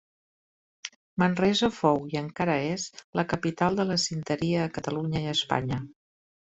Manresa fou i encara és la capital de la cinteria a Catalunya i Espanya.